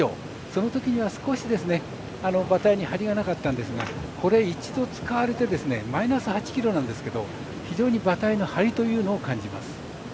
そのときには少し馬体にハリがなかったんですがこれ一度使われてマイナス８ｋｇなんですけど非常に馬体のハリというのを感じます。